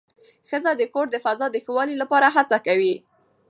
ښځه د کور د فضا د ښه والي لپاره هڅه کوي